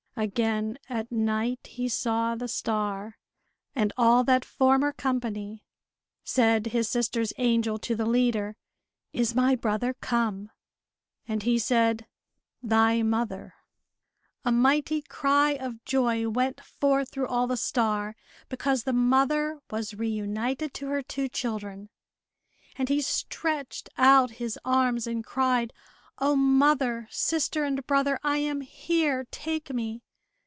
Again at night he saw the star, and all that former company. Said his sister's angel to the leader: "Is my brother come?" And he said, "Thy mother!" A mighty cry of joy went forth through all the star, because the mother was reunited to her two children. And he stretched out his arms and cried, "O, mother, sister, and brother, I am here! Take me!"